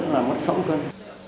hoặc là sống cân